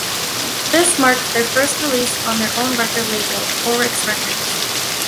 This marked their first release on their own record label, Orrexx Records.